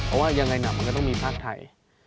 เพราะว่ายังไงหนักมันก็ต้องมีภาคไทย